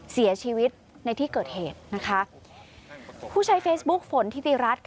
เสียชีวิตในที่เกิดเหตุนะคะผู้ใช้เฟซบุ๊คฝนทิติรัฐค่ะ